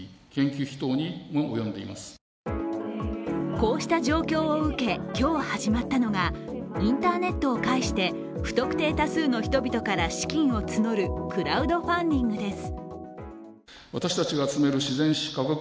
こうした状況を受け、今日始まったのが、インターネットを介して不特定多数の人々から資金を募るクラウドファンディングです。